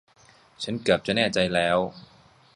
ฉันเกือบจะแน่ใจแล้ว